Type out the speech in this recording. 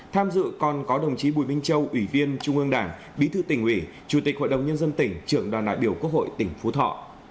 tham dự còn có đồng chí bùi minh châu ủy viên trung ương đảng bí thư tỉnh ủy chủ tịch hội đồng nhân dân tỉnh trưởng đoàn đại biểu quốc hội tỉnh phú thọ